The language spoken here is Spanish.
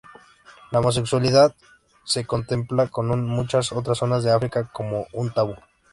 La homosexualidad se contempla, como en muchas otras zonas de África, como un tabú.